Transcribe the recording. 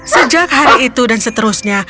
sejak hari itu dan seterusnya